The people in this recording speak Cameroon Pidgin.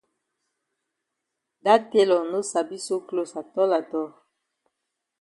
Dat tailor no sabi sew closs atol atol.